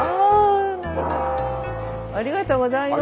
ありがとうございます。